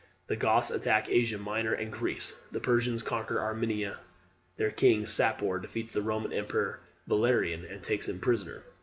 The Goths attack Asia Minor and Greece. The Persians conquer Armenia. Their king, Sapor, defeats the Roman emperor Valerian, and takes him prisoner.